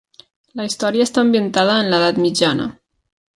La història està ambientada en l'edat mitjana.